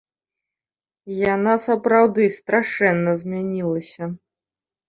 Яна сапраўды страшэнна змянілася.